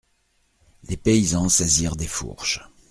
Les paysans saisirent des fourches.